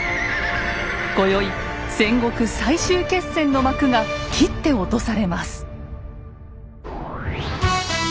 今宵戦国最終決戦の幕が切って落とされます。